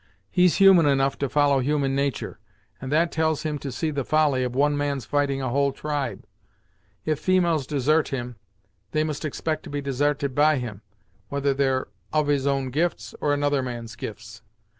He's human enough to follow human natur', and that tells him to see the folly of one man's fighting a whole tribe. If females desart him, they must expect to be desarted by him, whether they're of his own gifts or another man's gifts.